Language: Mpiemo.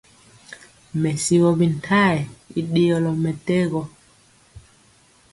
Mɛsigɔ bintayɛ i ɗeyɔlɔ mɛtɛgɔ.